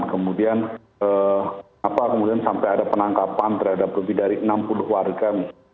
kemudian sampai ada penangkapan terhadap lebih dari enam puluh warga